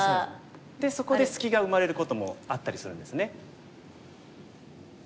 でそこで隙が生まれることもあったりするんですね。